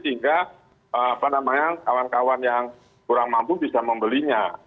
sehingga kawan kawan yang kurang mampu bisa membelinya